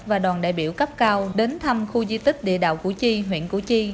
và đoàn đại biểu cấp cao đến thăm khu di tích địa đạo củ chi huyện củ chi